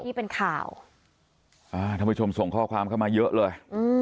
ท่านผู้ชมส่งข้อความเข้ามาเยอะเลย